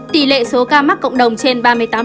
tỷ lệ số ca mắc cộng đồng trên ba mươi tám